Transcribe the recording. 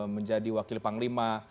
menjadi wakil panglima